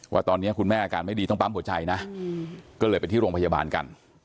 ว่าตอนนี้คุณแม่อาการไม่ดีต้องปั๊มหัวใจนะก็เลยไปที่โรงพยาบาลกัน